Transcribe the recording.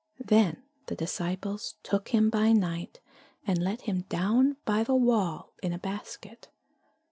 Then the disciples took him by night, and let him down by the wall in a basket.